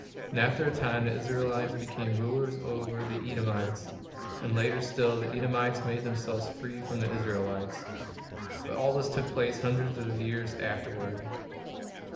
And after a time the Israelites became rulers over the Edomites; and later still, the Edomites made themselves free from the Israelites. But all this took place hundreds of years afterward.